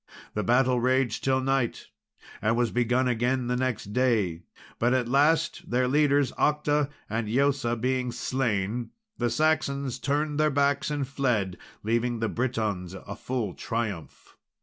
The battle raged till night, and was begun again next day; but at last, their leaders, Octa and Eosa, being slain, the Saxons turned their backs and fled, leaving the Britons a full triumph.